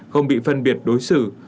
không bị phân biệt đối xử